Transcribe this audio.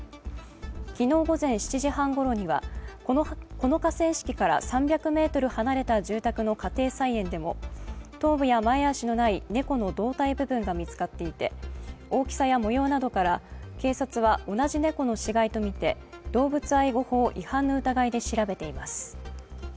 昨日午前７時半ごろには、この河川敷から３００ｍ離れた住宅の家庭菜園でも頭部や前足のない猫の胴体部分が見つかっていて大きさや模様などから、警察は同じ猫の死骸とみて動物愛護法違反の疑いで調べています。